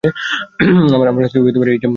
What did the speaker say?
আমার স্ত্রীও এই ইচ্ছা অনুমোদন করেছেন।